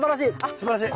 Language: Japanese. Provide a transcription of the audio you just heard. すばらしい。